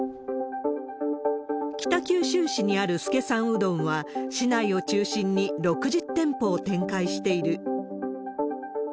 北九州市にある資さんうどんは、市内を中心に６０店舗を展開している。